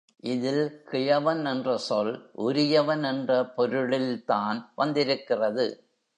இதில் கிழவன் என்ற சொல் உரியவன் என்ற பொருளில்தான் வந்திருக்கிறது.